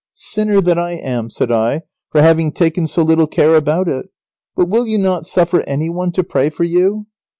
"Sinner that I am," said I, "for having taken so little care about it. But will you not suffer any one to pray for you?"